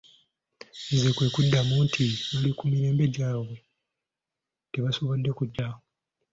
Nze kwe kubaddamu nti bali ku mirimu gyabwe tebasobodde kujja.